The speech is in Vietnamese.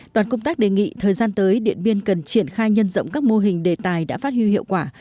đoàn công tác đề nghị thời gian tới điện biên cần triển khai nhân rộng các mô hình đề tài đã phát hưu hiệu quả